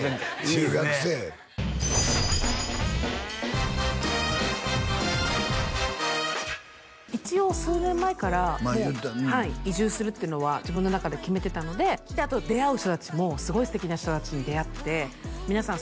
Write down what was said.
中学生や一応数年前からもうはい移住するっていうのは自分の中で決めてたのであと出会う人達もすごい素敵な人達に出会って皆さん